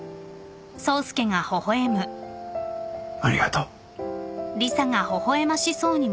ありがとう。